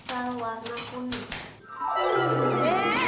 perluan dari diri saya kecil